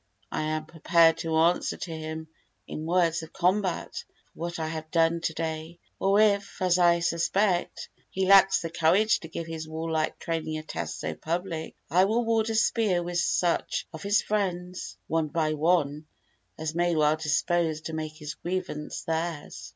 I am prepared to answer to him in words of combat for what I have done to day. Or if, as I suspect, he lacks the courage to give his warlike training a test so public, I will ward a spear with such of his friends, one by one, as may feel disposed to make his grievance theirs."